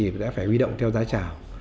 các nhà máy đã phải huy động theo giá trào